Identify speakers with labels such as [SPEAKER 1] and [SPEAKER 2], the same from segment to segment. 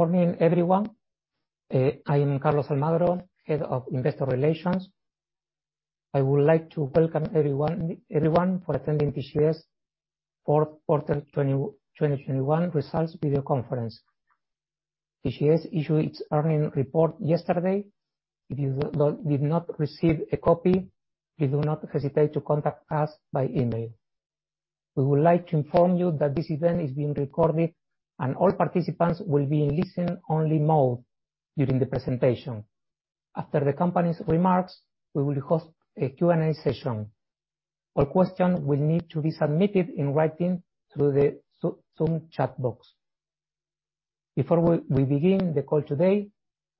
[SPEAKER 1] Morning, everyone. I am Carlos Almagro, Head of Investor Relations. I would like to welcome everyone for attending TGS fourth quarter 2021 results video conference. TGS issued its earnings report yesterday. If you did not receive a copy, please do not hesitate to contact us by email. We would like to inform you that this event is being recorded, and all participants will be in listen-only mode during the presentation. After the company's remarks, we will host a Q&A session. All questions will need to be submitted in writing through the Zoom chat box. Before we begin the call today,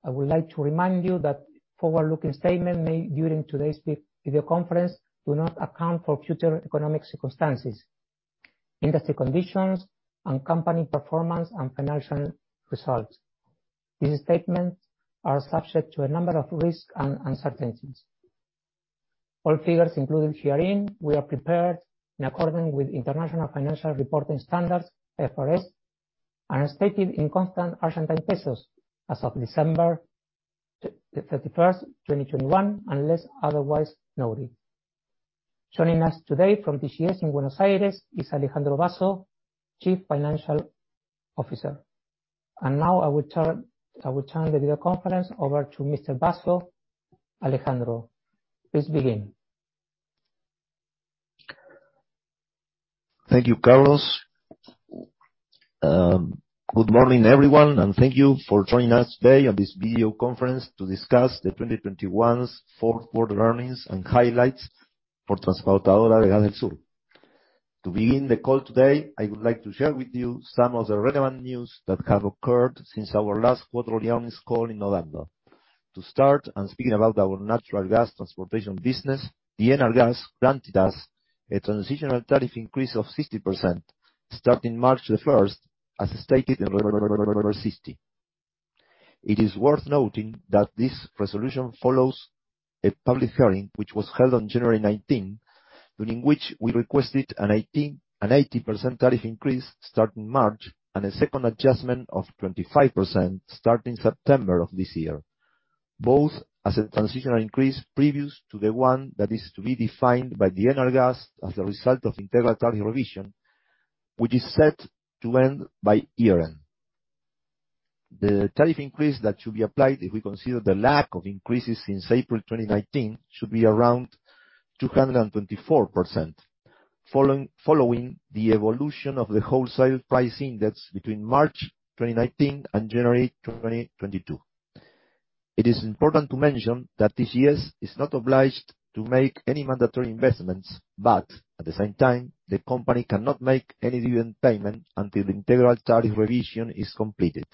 [SPEAKER 1] I would like to remind you that forward-looking statements made during today's video conference do not account for future economic circumstances, industry conditions, and company performance and financial results. These statements are subject to a number of risks and uncertainties. All figures included herein were prepared in accordance with International Financial Reporting Standards, IFRS, and are stated in constant Argentine pesos as of December 31, 2021, unless otherwise noted. Joining us today from TGS in Buenos Aires is Alejandro Basso, Chief Financial Officer. Now I will turn the video conference over to Mr. Basso. Alejandro, please begin.
[SPEAKER 2] Thank you, Carlos. Good morning, everyone, and thank you for joining us today on this video conference to discuss the 2021's fourth quarter earnings and highlights for Transportadora de Gas del Sur. To begin the call today, I would like to share with you some of the relevant news that have occurred since our last quarterly earnings call in November. To start and speaking about our natural gas transportation business, the ENARGAS granted us a transitional tariff increase of 60% starting March 1, as stated in Resolution Number 60. It is worth noting that this resolution follows a public hearing which was held on January 19, during which we requested an 80% tariff increase starting March, and a second adjustment of 25% starting September of this year, both as a transitional increase previous to the one that is to be defined by the ENARGAS as a result of integral tariff revision, which is set to end by year-end. The tariff increase that should be applied if we consider the lack of increases since April 2019 should be around 224%, following the evolution of the wholesale price index between March 2019 and January 2022. It is important to mention that TGS is not obliged to make any mandatory investments, but at the same time, the company cannot make any dividend payment until the integral tariff revision is completed.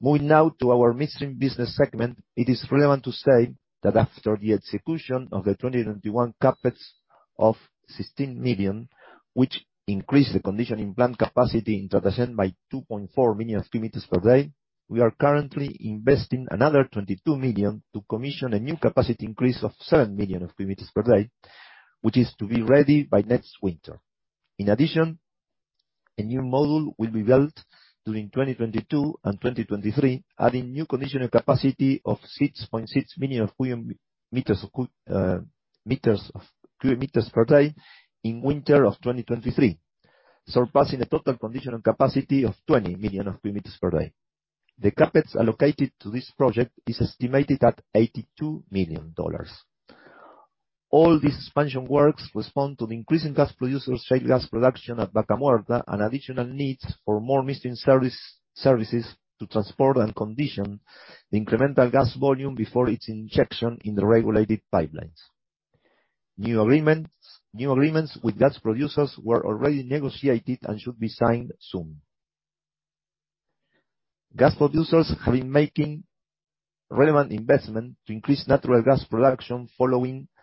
[SPEAKER 2] Moving now to our midstream business segment, it is relevant to say that after the execution of the 2021 CapEx of $16 million, which increased the conditioning plant capacity in Tratayén by 2.4 million cubic meters per day, we are currently investing another $22 million to commission a new capacity increase of 7 million cubic meters per day, which is to be ready by next winter. In addition, a new module will be built during 2022 and 2023, adding new conditioning capacity of 6.6 million cubic meters per day in winter of 2023, surpassing a total conditioning capacity of 20 million cubic meters per day. The CapEx allocated to this project is estimated at $82 million. All these expansion works respond to the increasing gas producers' shale gas production at Vaca Muerta and additional needs for more midstream service, services to transport and condition the incremental gas volume before its injection in the regulated pipelines. New agreements with gas producers were already negotiated and should be signed soon. Gas producers have been making relevant investment to increase natural gas production following the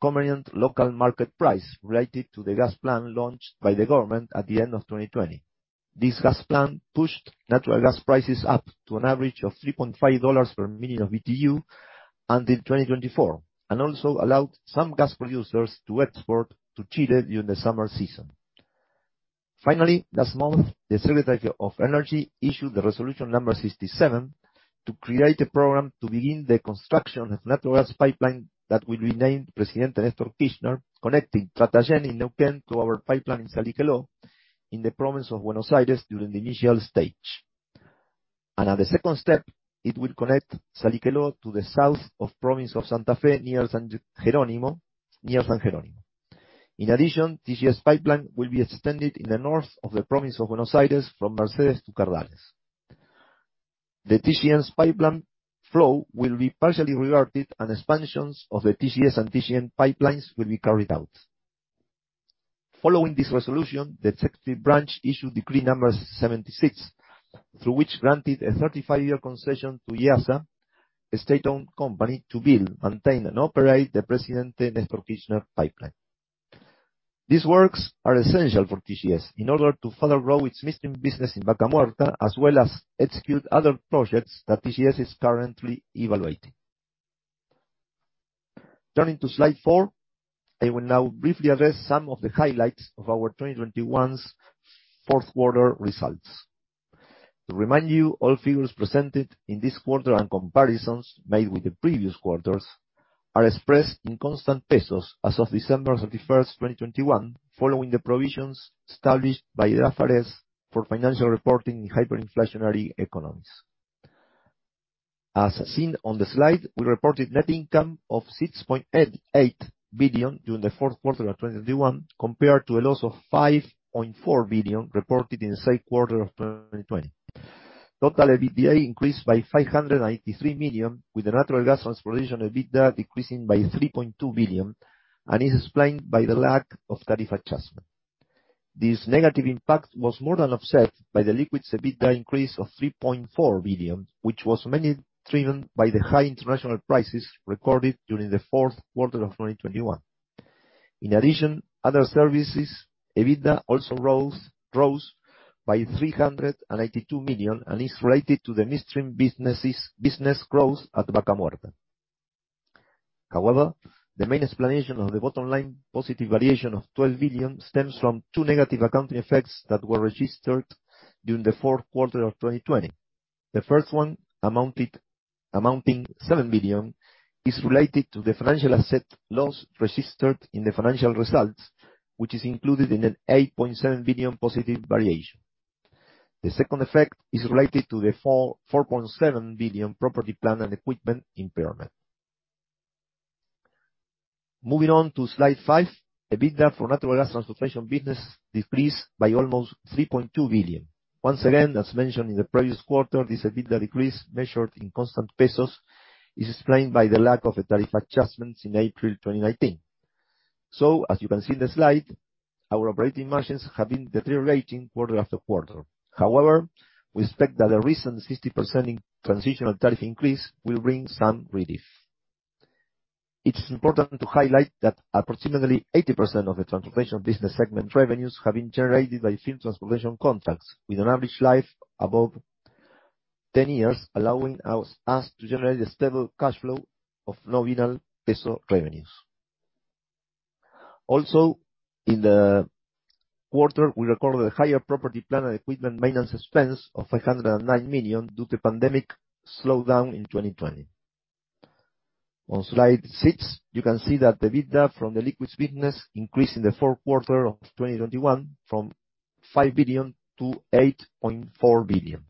[SPEAKER 2] convenient local market price related to the gas plan launched by the government at the end of 2020. This gas plan pushed natural gas prices up to an average of $3.5 per million BTU until 2024, and also allowed some gas producers to export to Chile during the summer season. Finally, last month, the Secretary of Energy issued Resolution No. 67 to create a program to begin the construction of natural gas pipeline that will be named Presidente Néstor Kirchner, connecting Tratayén in Neuquén to our pipeline in Salliqueló in the province of Buenos Aires during the initial stage. At the second step, it will connect Salliqueló to the south of province of Santa Fe, near San Jerónimo. In addition, TGS pipeline will be extended in the north of the province of Buenos Aires from Mercedes to Cardales. The TGN's pipeline flow will be partially reverted, and expansions of the TGS and TGN pipelines will be carried out. Following this resolution, the executive branch issued Decree No. 76, through which granted a 35-year concession to IEASA, a state-owned company, to build, maintain, and operate the Presidente Néstor Kirchner pipeline. These works are essential for TGS in order to further grow its midstream business in Vaca Muerta, as well as execute other projects that TGS is currently evaluating. Turning to Slide four, I will now briefly address some of the highlights of our 2021 fourth quarter results. To remind you, all figures presented in this quarter and comparisons made with the previous quarters are expressed in constant pesos as of December 31, 2021, following the provisions established by IFRS for financial reporting in hyperinflationary economies. As seen on the slide, we reported net income of 6.88 billion during the fourth quarter of 2021, compared to a loss of 5.4 billion reported in the same quarter of 2020. Total EBITDA increased by 593 million, with the natural gas transportation EBITDA decreasing by 3.2 billion, and is explained by the lack of tariff adjustment. This negative impact was more than offset by the liquids EBITDA increase of 3.4 billion, which was mainly driven by the high international prices recorded during the fourth quarter of 2021. In addition, other services EBITDA also rose by 392 million, and is related to the midstream business growth at Vaca Muerta. However, the main explanation of the bottom line positive variation of 12 billion stems from two negative accounting effects that were registered during the fourth quarter of 2020. The first one amounting 7 billion is related to the financial asset loss registered in the financial results, which is included in an 8.7 billion positive variation. The second effect is related to the 4.7 billion property, plant and equipment impairment. Moving on to Slide five, EBITDA for natural gas transportation business decreased by almost 3.2 billion. Once again, as mentioned in the previous quarter, this EBITDA decrease measured in constant pesos is explained by the lack of a tariff adjustment in April 2019. As you can see in the slide, our operating margins have been deteriorating quarter after quarter. However, we expect that the recent 60% transitional tariff increase will bring some relief. It is important to highlight that approximately 80% of the transportation business segment revenues have been generated by firm transportation contracts with an average life above 10 years, allowing us to generate a stable cash flow of nominal peso revenues. In the quarter, we recorded a higher property, plant and equipment maintenance expense of 109 million due to pandemic slowdown in 2020. On Slide six, you can see that the EBITDA from the liquids business increased in the fourth quarter of 2021 from 5 billion to 8.4 billion.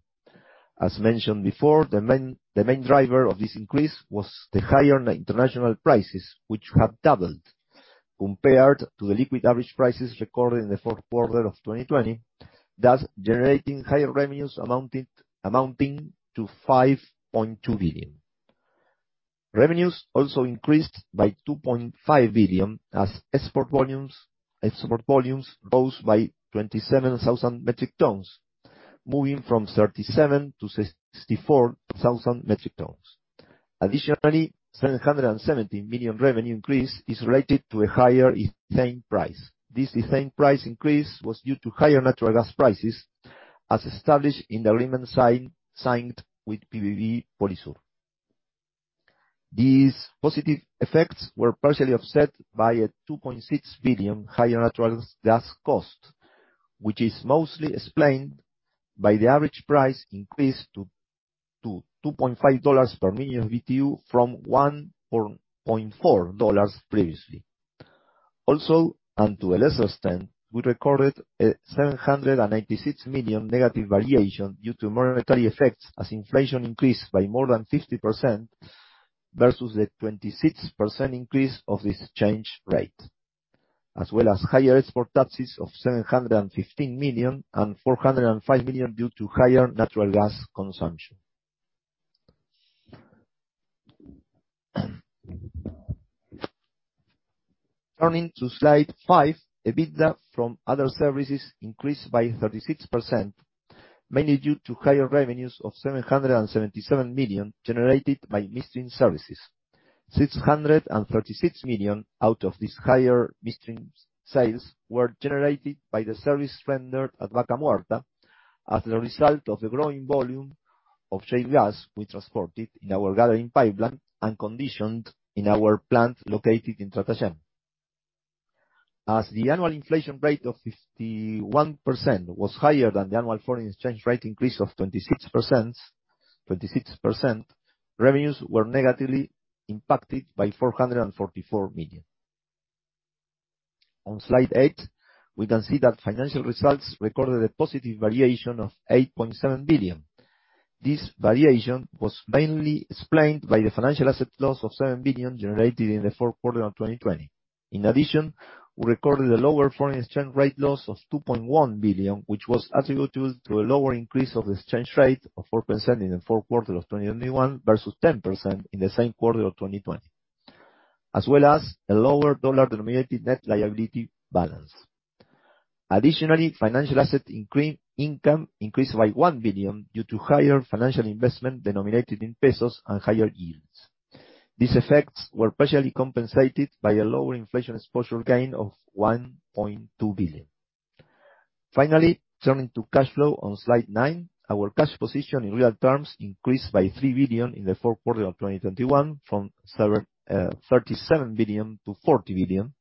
[SPEAKER 2] As mentioned before, the main driver of this increase was the higher international prices, which have doubled compared to the liquids average prices recorded in the fourth quarter of 2020, thus generating higher revenues amounting to 5.2 billion. Revenues also increased by 2.5 billion as export volumes rose by 27,000 metric tons, moving from 37,000 to 64,000 metric tons. Additionally, 770 million revenue increase is related to a higher ethane price. This ethane price increase was due to higher natural gas prices, as established in the agreement signed with PBB Polisur. These positive effects were partially offset by a 2.6 billion higher natural gas cost, which is mostly explained by the average price increase to $2.5 per million BTU from $1.4 previously. Also, and to a lesser extent, we recorded a 796 million negative variation due to monetary effects as inflation increased by more than 50% versus a 26% increase of the exchange rate. As well as higher export taxes of 715 million and 405 million due to higher natural gas consumption. Turning to Slide five, EBITDA from other services increased by 36%, mainly due to higher revenues of 777 million generated by midstream services. 636 million out of these higher midstream sales were generated by the service rendered at Vaca Muerta as a result of the growing volume of shale gas we transported in our gathering pipeline and conditioned in our plant located in Tratayén. As the annual inflation rate of 51% was higher than the annual foreign exchange rate increase of 26%, revenues were negatively impacted by 444 million. On Slide eight, we can see that financial results recorded a positive variation of 8.7 billion. This variation was mainly explained by the financial asset loss of 7 billion generated in the fourth quarter of 2020. In addition, we recorded a lower foreign exchange rate loss of 2.1 billion, which was attributable to a lower increase of the exchange rate of 4% in the fourth quarter of 2021 versus 10% in the same quarter of 2020, as well as a lower dollar-denominated net liability balance. Additionally, financial asset income increased by 1 billion due to higher financial investment denominated in pesos and higher yields. These effects were partially compensated by a lower inflation exposure gain of 1.2 billion. Finally, turning to cash flow on Slide nine. Our cash position in real terms increased by 3 billion in the fourth quarter of 2021, from 37 billion to 40 billion,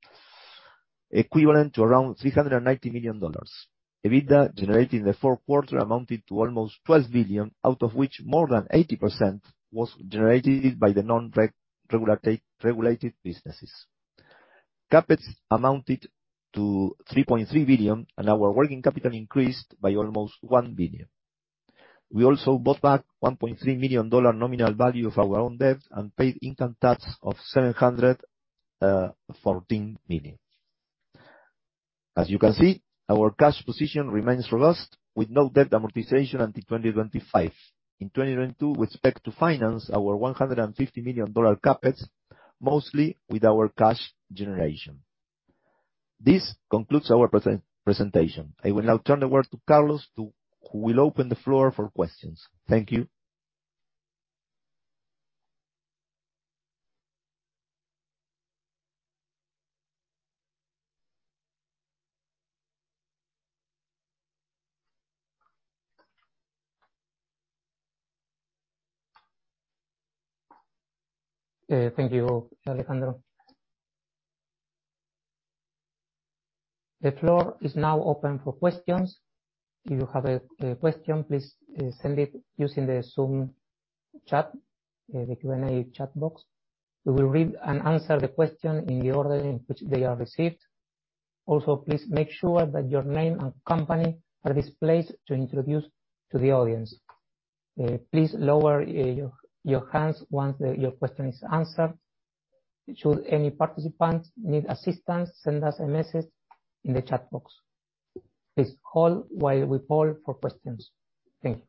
[SPEAKER 2] equivalent to around $390 million. EBITDA generated in the fourth quarter amounted to almost 12 billion, out of which more than 80% was generated by the non-regulated, regulated businesses. CapEx amounted to 3.3 billion, and our working capital increased by almost 1 billion. We also bought back $1.3 million nominal value of our own debt and paid income tax of 714 million. As you can see, our cash position remains robust, with no debt amortization until 2025. In 2022, we expect to finance our $150 million CapEx mostly with our cash generation. This concludes our presentation. I will now turn the floor over to Carlos who will open the floor for questions. Thank you.
[SPEAKER 1] Thank you, Alejandro. The floor is now open for questions. If you have a question, please send it using the Zoom chat, the Q&A chat box. We will read and answer the question in the order in which they are received. Also, please make sure that your name and company are displayed to introduce to the audience. Please lower your hands once your question is answered. Should any participants need assistance, send us a message in the chat box. Please hold while we poll for questions. Thank you.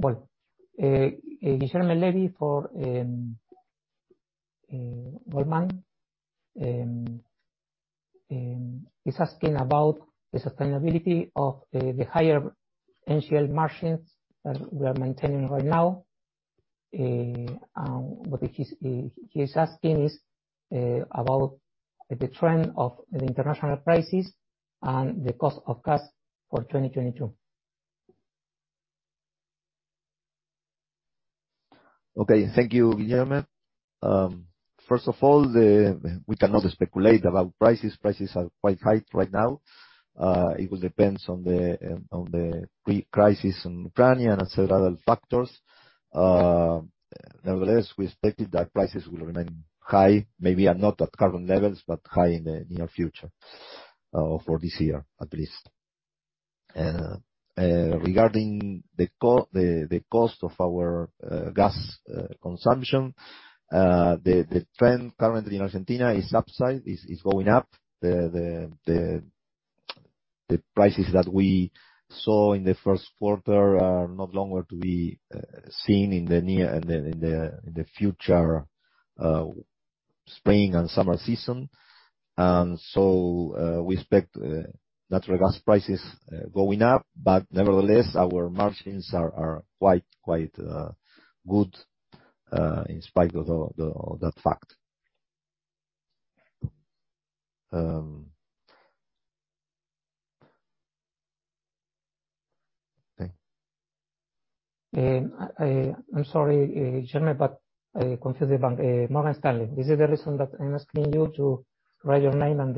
[SPEAKER 1] Well, Guillermo Levy for Goldman is asking about the sustainability of the higher NGL margins that we are maintaining right now. What he's asking is about the trend of the international prices and the cost of gas for 2022.
[SPEAKER 2] Thank you, Guillermo. First of all, we cannot speculate about prices. Prices are quite high right now. It will depend on the crisis in Ukraine and other factors. Nevertheless, we expected that prices will remain high, maybe not at current levels, but high in the near future, for this year at least. Regarding the cost of our gas consumption, the prices that we saw in the first quarter are no longer to be seen in the future spring and summer season. We expect natural gas prices going up, but nevertheless, our margins are quite good in spite of that fact. Okay.
[SPEAKER 1] I'm sorry, Guillermo, but I'm confused about Morgan Stanley. This is the reason that I'm asking you to write your name and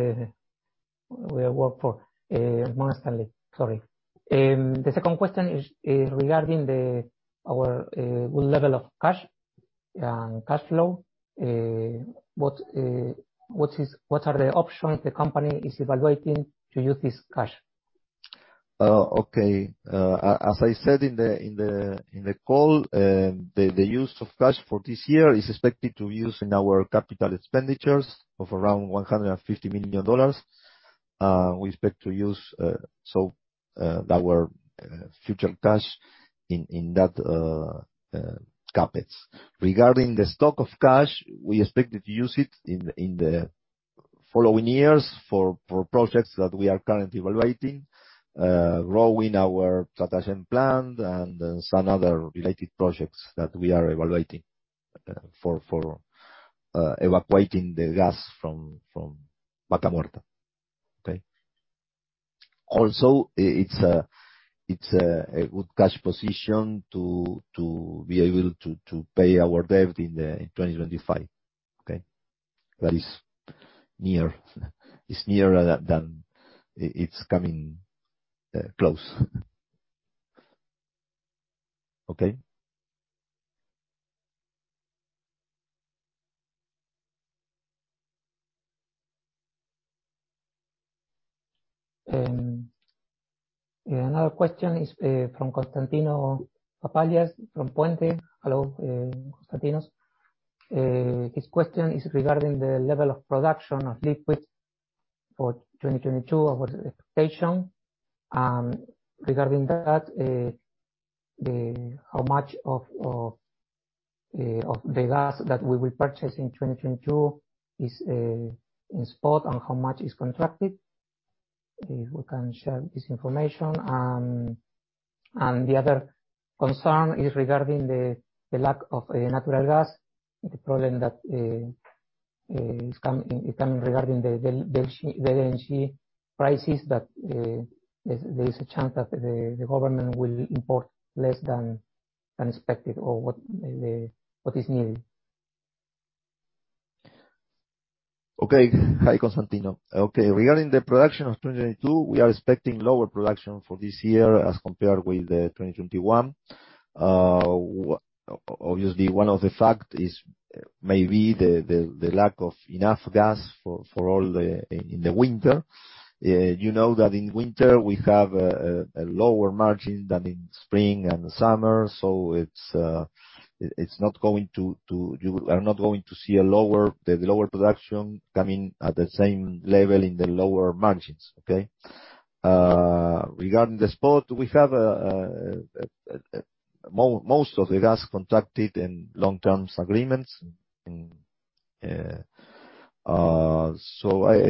[SPEAKER 1] where you work for. Morgan Stanley, sorry. The second question is regarding our good level of cash and cash flow. What are the options the company is evaluating to use this cash?
[SPEAKER 2] As I said in the call, the use of cash for this year is expected to use in our capital expenditures of around $150 million. We expect to use our future cash in that CapEx. Regarding the stock of cash, we expected to use it in the following years for projects that we are currently evaluating, growing our Tratayén plant and then some other related projects that we are evaluating for evacuating the gas from Vaca Muerta. Okay? It's a good cash position to be able to pay our debt in 2025. Okay? That is near. It's nearer than it's coming close. Okay?
[SPEAKER 1] Another question is from Konstantinos Papalias from Puente. Hello, Konstantinos. His question is regarding the level of production of liquids for 2022 over the expectation. Regarding that, how much of the gas that we will purchase in 2022 is in spot, and how much is contracted, if we can share this information. The other concern is regarding the lack of natural gas, the problem that is coming regarding the LNG prices, that there is a chance that the government will import less than expected or what is needed.
[SPEAKER 2] Okay. Hi, Konstantino. Okay, regarding the production of 2022, we are expecting lower production for this year as compared with 2021. Obviously, one of the factors is maybe the lack of enough gas for all the in the winter. You know that in winter, we have a lower margin than in spring and summer. It's not going to. You are not going to see the lower production coming at the same level in the lower margins. Okay. Regarding the spot, we have most of the gas contracted in long-term agreements. I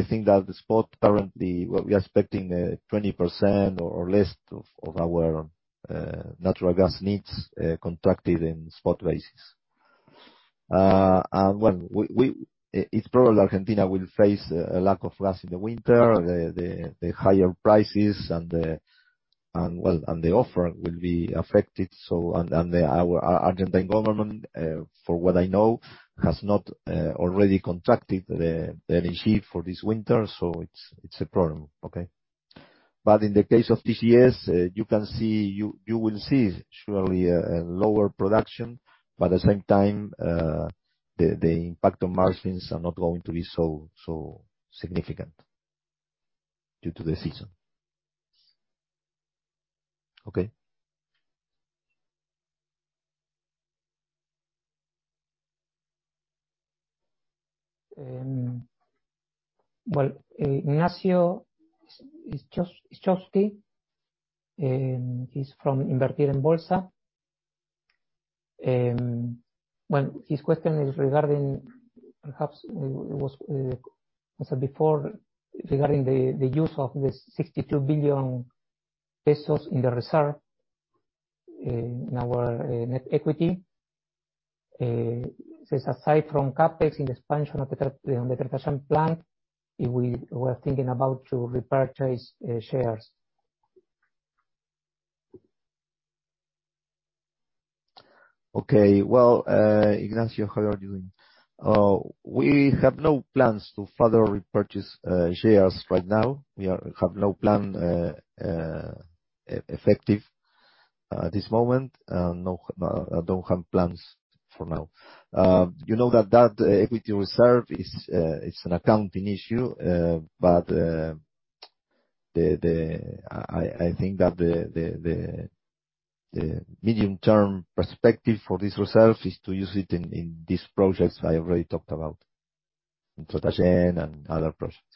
[SPEAKER 2] think that the spot currently, what we are expecting, 20% or less of our natural gas needs contracted in spot basis. It's probable Argentina will face a lack of gas in the winter. The higher prices and the offer will be affected. Our Argentine government, for what I know, has not already contracted the LNG for this winter, so it's a problem. Okay? In the case of TGS, you will see surely a lower production, but at the same time, the impact on margins are not going to be so significant due to the season. Okay?
[SPEAKER 1] Well, Ignacio Sniechowski, he's from Invertir en Bolsa. Well, his question is regarding, perhaps, as I said before, the use of the 62 billion pesos in the reserve in our net equity. He says aside from CapEx and expansion of the, you know, the Tratayén plant, if we were thinking about to repurchase shares.
[SPEAKER 2] Okay. Well, Ignacio, how are you doing? We have no plans to further repurchase shares right now. We have no plan, effective at this moment, no, don't have plans for now. You know that equity reserve is an accounting issue, but I think that the medium-term perspective for this reserve is to use it in these projects I already talked about, in Tratayén and other projects.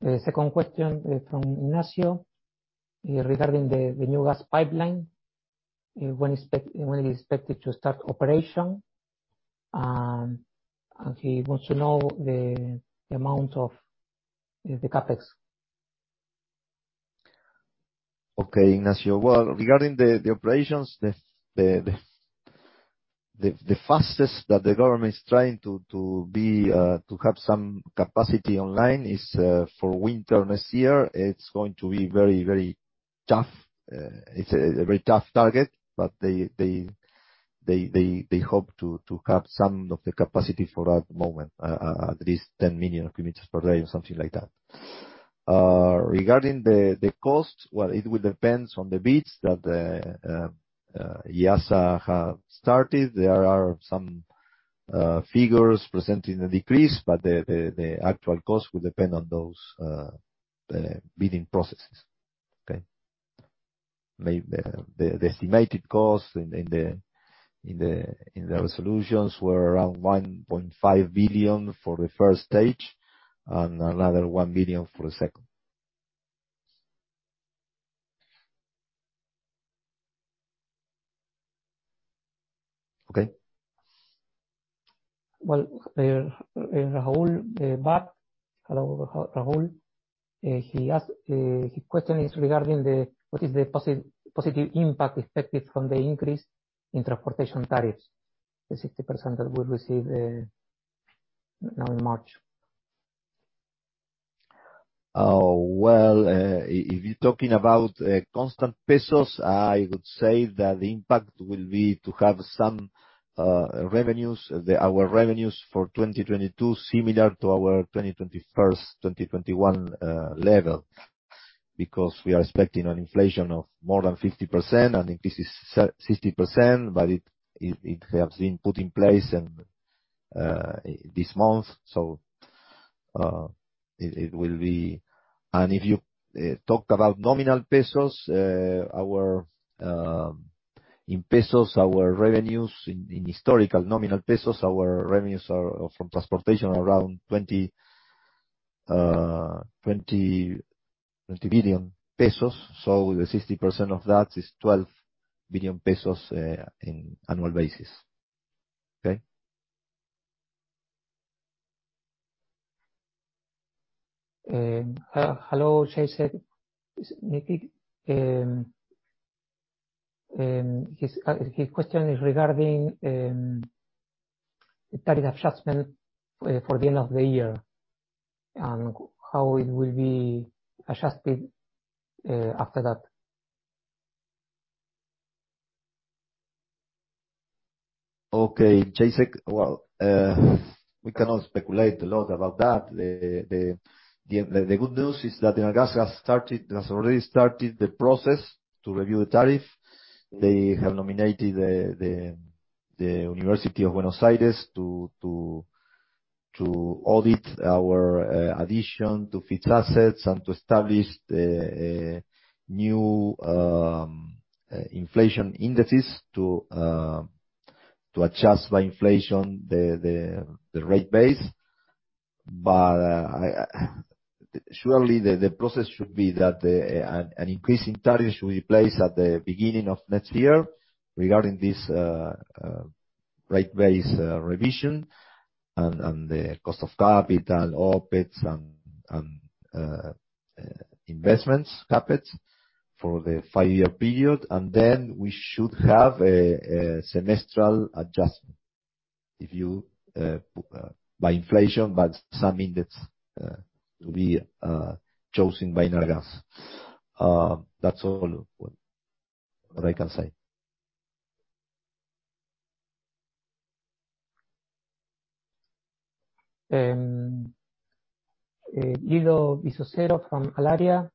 [SPEAKER 1] The second question from Ignacio regarding the new gas pipeline, when is it expected to start operation. He wants to know the amount of the CapEx.
[SPEAKER 2] Okay, Ignacio. Well, regarding the operations, the fastest that the government is trying to have some capacity online is for winter next year. It's going to be very tough. It's a very tough target. They hope to have some of the capacity for that moment, at least 10 million cubic meters per day or something like that. Regarding the cost, well, it will depends on the bids that IEASA have started. There are some figures presenting a decrease, but the actual cost will depend on those bidding processes. Okay? The estimated cost in the resolutions were around 1.5 billion for the first stage and another 1 billion for the second. Okay?
[SPEAKER 1] Well, Raul Back. Hello, Raul. He asked, his question is regarding what is the positive impact expected from the increase in transportation tariffs, the 60% that we'll receive now in March.
[SPEAKER 2] If you're talking about constant pesos, I would say that the impact will be to have some revenues. Our revenues for 2022, similar to our 2021 level. Because we are expecting an inflation of more than 50%, an increase of 60%, but it has been put in place this month, so it will be. If you talk about nominal pesos, our revenues in historical nominal pesos from transportation are around 20 billion pesos. So the 60% of that is 12 billion pesos in annual basis. Okay?
[SPEAKER 1] Hello, Chase. Nick. His question is regarding the tariff adjustment for the end of the year, and how it will be adjusted after that.
[SPEAKER 2] Okay, Chase. Well, we cannot speculate a lot about that. The good news is that ENARGAS has already started the process to review the tariff. They have nominated the University of Buenos Aires to audit our addition to fixed assets and to establish new inflation indices to adjust by inflation the rate base. Surely the process should be that an increase in tariff should be placed at the beginning of next year regarding this rate base revision and the cost of capital, OPEX and investments, CapEx, for the five-year period. Then we should have a semestral adjustment, if you by inflation, by some index to be chosen by ENARGAS. That's all I can say.
[SPEAKER 1] Guido Vissacero from Allaria.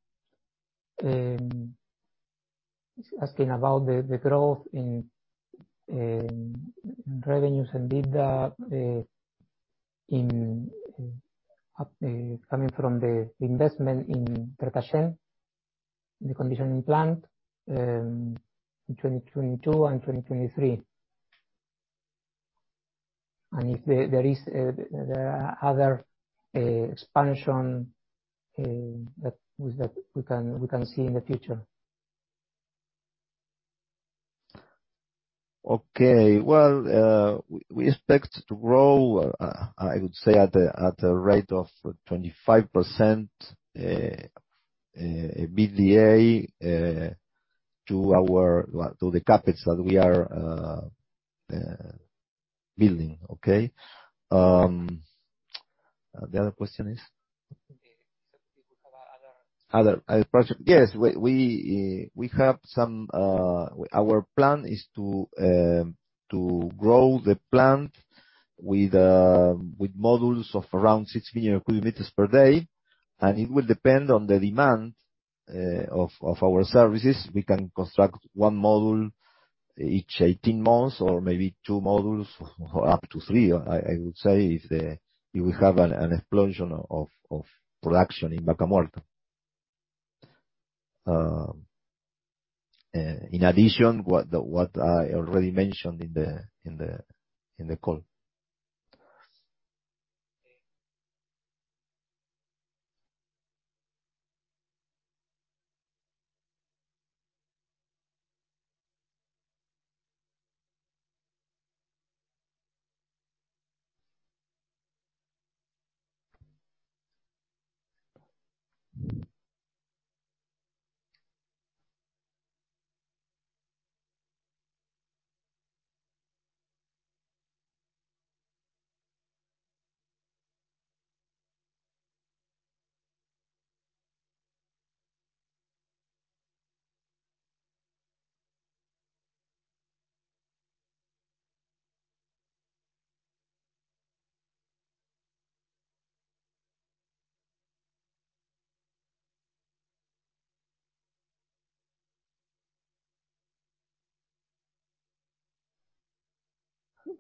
[SPEAKER 1] He's asking about the growth in revenues and EBITDA coming from the investment in Tratayén, the conditioning plant, in 2022 and 2023. If there are other expansions that we can see in the future.
[SPEAKER 2] Okay. Well, we expect to grow, I would say at a rate of 25%, EBITDA, to our, well, to the CapEx that we are building. Okay? The other question is?
[SPEAKER 1] If you would have other.
[SPEAKER 2] Other expansion. Yes, we have some. Our plan is to grow the plant with modules of around 6 million cubic meters per day, and it will depend on the demand of our services. We can construct 1 module each 18 months or maybe 2 modules or up to 3, I would say if we have an explosion of production in Vaca Muerta. In addition, what I already mentioned in the call.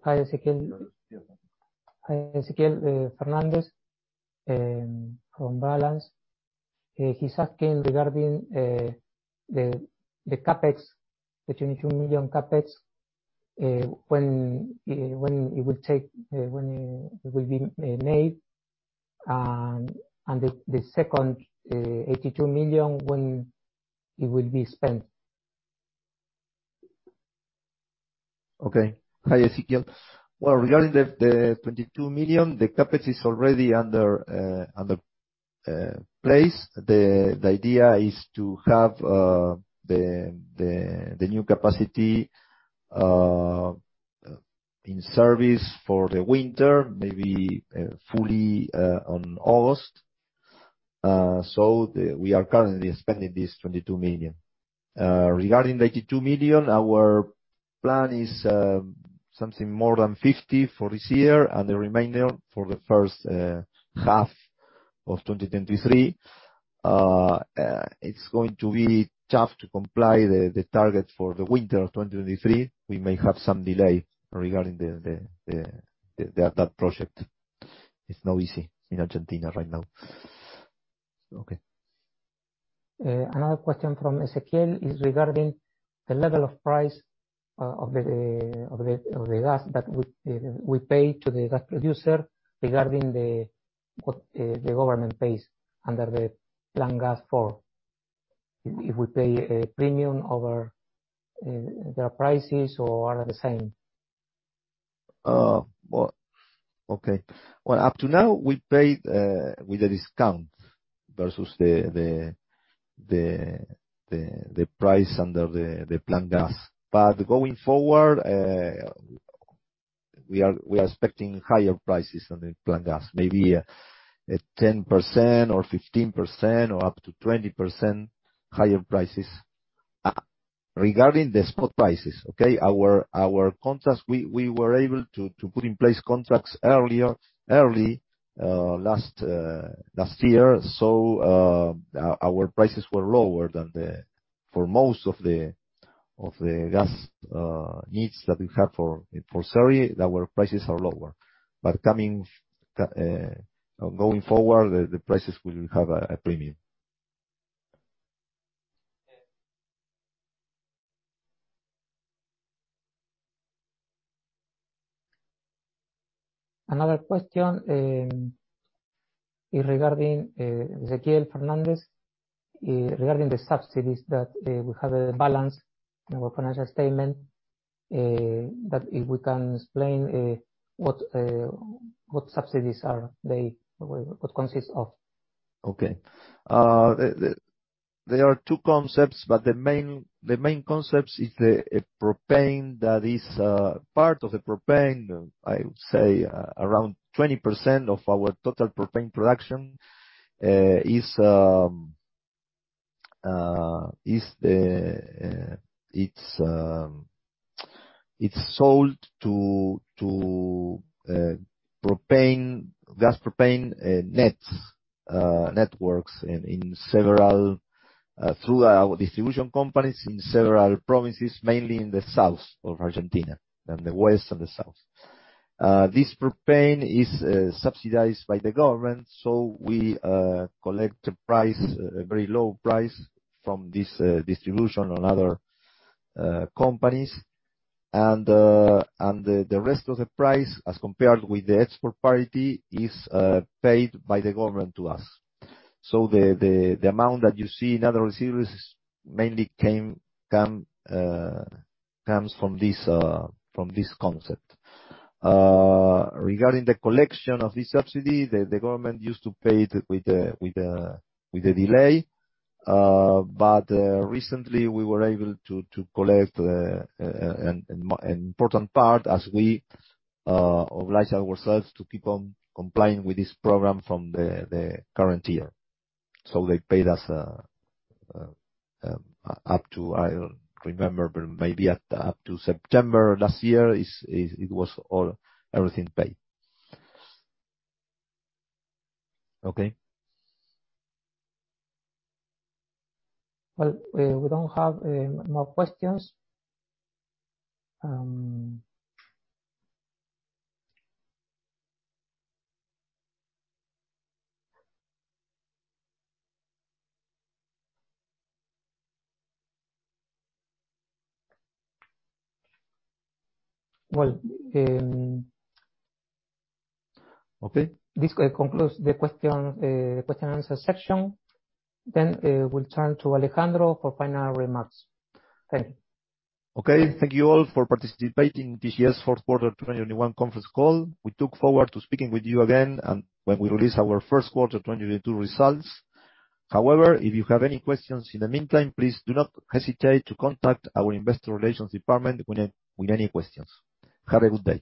[SPEAKER 1] Hi, Ezequiel Fernández from Balanz. He's asking regarding the CapEx, the 22 million CapEx, when it will be made, and the second, 82 million, when it will be spent.
[SPEAKER 2] Hi, Ezequiel. Well, regarding the 22 million, the CapEx is already in place. The idea is to have the new capacity in service for the winter, maybe fully on August. We are currently spending this 22 million. Regarding the 82 million, our plan is something more than 50 for this year, and the remainder for the first half of 2023. It's going to be tough to comply with the target for the winter of 2023. We may have some delay regarding that project. It's not easy in Argentina right now.
[SPEAKER 1] Another question from Ezequiel is regarding the level of price of the gas that we pay to the gas producer regarding what the government pays under Plan Gas 4. If we pay a premium over their prices or are the same.
[SPEAKER 2] Well, okay. Up to now, we pay with a discount versus the price under the Plan Gas. Going forward, we are expecting higher prices on the Plan Gas, maybe a 10% or 15% or up to 20% higher prices. Regarding the spot prices, okay, our contracts, we were able to put in place contracts early last year. Our prices were lower. For most of the gas needs that we have for Cerri, our prices are lower. Going forward, the prices will have a premium.
[SPEAKER 1] Another question from Ezequiel Fernández regarding the subsidies that we have a balance in our financial statement, if we can explain what subsidies are they or what consists of.
[SPEAKER 2] Okay. There are two concepts, but the main concept is the propane that is part of the propane. I would say around 20% of our total propane production is the it's sold to propane gas networks in several through our distribution companies in several provinces, mainly in the south of Argentina, in the west and the south. This propane is subsidized by the government, so we collect a price, a very low price from this distribution and other companies. The rest of the price, as compared with the export parity, is paid by the government to us. The amount that you see in other receivables mainly comes from this concept. Regarding the collection of this subsidy, the government used to pay it with a delay, but recently we were able to collect an important part as we oblige ourselves to keep on complying with this program from the current year. They paid us up to September last year. I don't remember, but maybe up to September last year. It was all, everything paid. Okay.
[SPEAKER 1] Well, we don't have more questions.
[SPEAKER 2] Okay.
[SPEAKER 1] This concludes the question-and-answer section. We'll turn to Alejandro for final remarks. Thank you.
[SPEAKER 2] Okay. Thank you all for participating in TGS fourth quarter 2021 conference call. We look forward to speaking with you again when we release our first quarter 2022 results. However, if you have any questions in the meantime, please do not hesitate to contact our investor relations department with any questions. Have a good day.